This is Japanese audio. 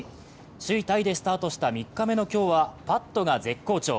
首位タイでスタートした３日目の今日はパットが絶好調。